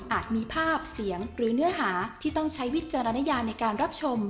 มีภาพเสียงหรือเนื้อหาที่ต้องใช้วิจารณญาในการรับชม